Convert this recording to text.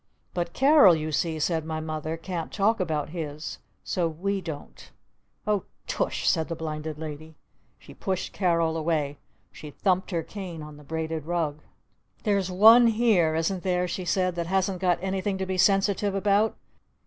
"But Carol, you see," said my Mother, "can't talk about his! So we don't!" "Oh Tush!" said the Blinded Lady. She pushed Carol away. She thumped her cane on the braided rug. "There's one here, isn't there," she said, "that hasn't got anything to be sensitive about?